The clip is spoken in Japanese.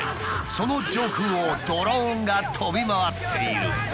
その上空をドローンが飛び回っている。